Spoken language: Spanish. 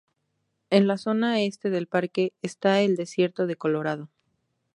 En la zona este del parque está el desierto del Colorado.